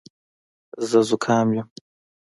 زه زکام یم.